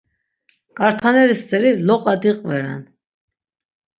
Ǩartaneri steri loqa diqveren..